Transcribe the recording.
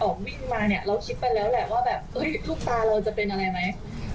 สิบฟิวที่มองลูกของเราจะเป็นอะไรมั้ย